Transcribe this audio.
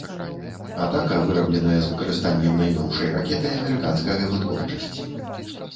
Атака вырабленая з выкарыстаннем найноўшай ракеты амерыканскага вытворчасці.